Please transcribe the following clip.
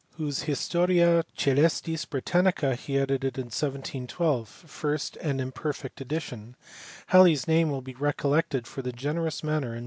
345) whose Historia Coelestis Britannica he edited in 1712 (first and imperfect edition). Halley s name will be recollected for the generous manner in.